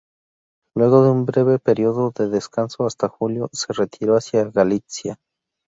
Luego de un breve periodo de descanso hasta julio, se retiró hacia Galitzia.